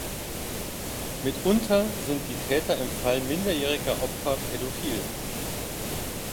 Mitunter sind die Täter im Fall minderjähriger Opfer pädophil.